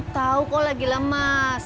tahu kau lagi lemes